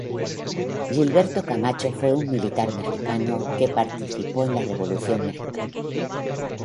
Gilberto Camacho fue un militar mexicano que participó en la Revolución mexicana.